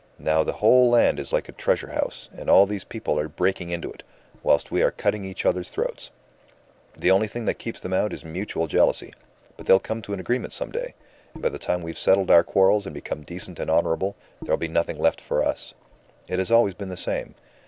Now the whole land is like a treasure house, and all these people are breaking into it, whilst we are cutting each other's throats. The only thing that keeps them out is mutual jealousy. But they'll come to an agreement some day and by the time we've settled our quarrels and become decent and honourable, there'll be nothing left for us. It has always been the same.